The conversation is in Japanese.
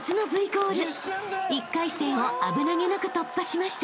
［１回戦を危なげなく突破しました］